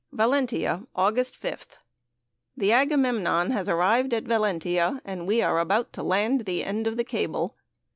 VALENTIA, August 5th. The Agamemnon has arrived at Valentia, and we are about to land the end of the cable.